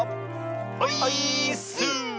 オイーッス！